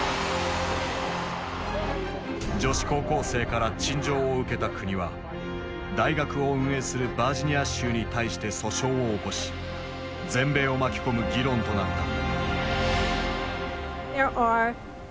女子高校生から陳情を受けた国は大学を運営するバージニア州に対して訴訟を起こし全米を巻き込む議論となった。